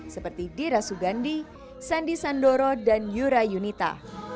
seperti dira sugandi sandi sandoro dan yura yunita